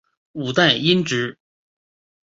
五代因之。